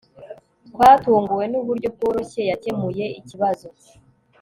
twatunguwe nuburyo bworoshye yakemuye ikibazo